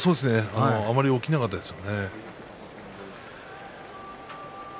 あまり起きなかったですね。